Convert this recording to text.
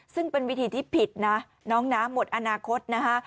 ซึ่งเป็นวิธีที่ผิดนะน้องน้ำหมดอนาคตนะคะ